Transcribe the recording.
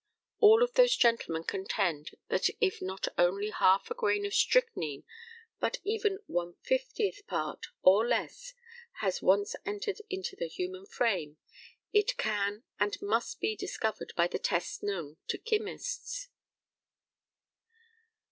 All of those gentlemen contend that if not only half a grain of strychnine, but even 1 50th part or less has once entered into the human frame, it can and must be discovered by the tests known to chymists.